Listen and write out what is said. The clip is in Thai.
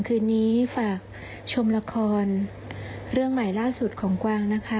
คืนนี้ฝากชมละครเรื่องใหม่ล่าสุดของกวางนะคะ